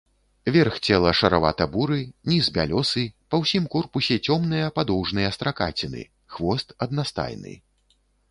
Верх цела шаравата-буры, ніз бялёсы, па ўсім корпусе цёмныя падоўжныя стракаціны, хвост аднастайны.